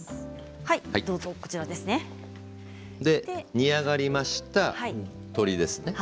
煮あがりました、鶏ですね。